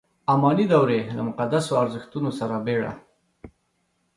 اماني دورې له مقدسو ارزښتونو سره بېړه.